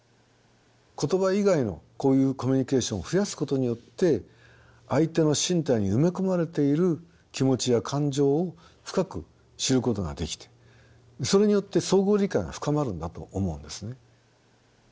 言葉以外のこういうコミュニケーションを増やすことによって相手の身体に埋め込まれている気持ちや感情を深く知ることができてそれによって相互理解が深まるんだと思うんですね。